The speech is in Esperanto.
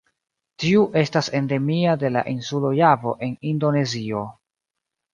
Tiu estas endemia de la insulo Javo en Indonezio.